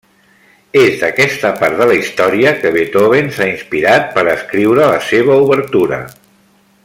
És d'aquesta part de la història que Beethoven s'ha inspirat per escriure la seva obertura.